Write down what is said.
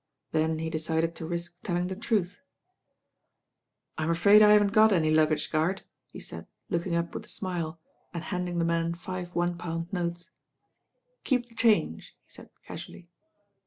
Then he decided to risk telling the truth. v "I'm afraid I haven't got any luggage, guard," he said, looking up with a smile and handing the man Hve one pound notes. "Keep the change," he said casually.